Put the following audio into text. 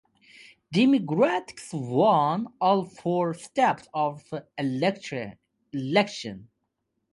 Democrats won all four seats up for election.